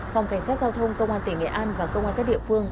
phòng cảnh sát giao thông công an tỉnh nghệ an và công an các địa phương